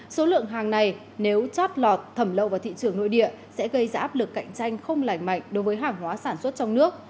số lượng hàng này nếu chót lọt thẩm lậu vào thị trường nội địa sẽ gây ra áp lực cạnh tranh không lành mạnh đối với hàng hóa sản xuất trong nước